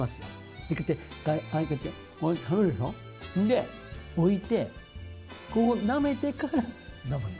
で置いてこうなめてから飲むんですよ。